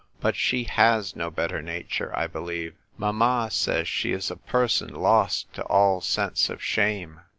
But she has no better nature, I believe. Mamma says she is a person lost to all sense of shame.